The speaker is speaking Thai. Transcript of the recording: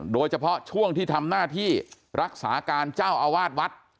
โดยเฉพาะช่วงที่ทำหน้าที่รักษาการเจ้าอาวาสวัด